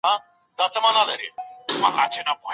د موږکانو له منځه وړل ولي اړین دي؟